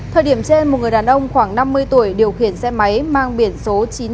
thời điểm trên một người đàn ông khoảng năm mươi tuổi điều khiển xe máy mang biển số